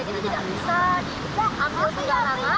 ini tidak bisa diambil sembarangan